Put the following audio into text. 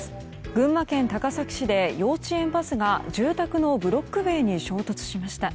群馬県高崎市で幼稚園バスが住宅のブロック塀に衝突しました。